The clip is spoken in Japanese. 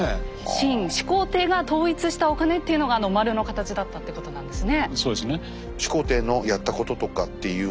秦始皇帝が統一したお金っていうのが丸の形だったってことなんですね。